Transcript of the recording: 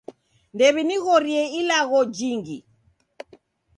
Ndew'inighorie ilagho jingi